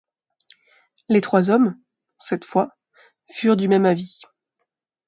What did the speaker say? Les trois hommes, cette fois, furent du même avis.